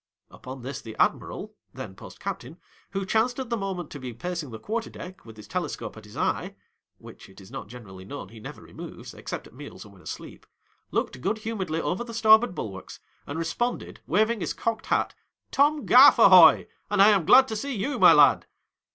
Upon this, the admiral, then post captain, who chanced at the moment to be pacing the quarter deck with his telescope at his eye (which it is not generally known he never removes, except at meals and when asleep) looked good lm mouredly over the starboard bulwarks, and responded, waving his cocked hat, "Tom Gaff, alioy, and I am glad to see you, my lad